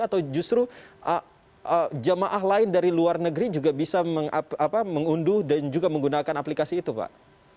atau justru jamaah lain dari luar negeri juga bisa mengunduh dan juga menggunakan aplikasi itu pak